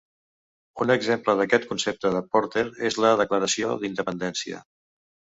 Un exemple d'aquest concepte de Porter és la Declaració d'Independència.